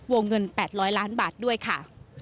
วงเงิน๘๐๐ล้านบาทด้วยค่ะ